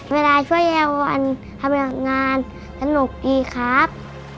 เวลาช่วยยายวันทำงานสนุกดีครับ